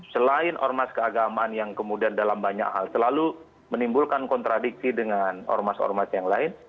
selain ormas keagamaan yang kemudian dalam banyak hal selalu menimbulkan kontradiksi dengan ormas ormas yang lain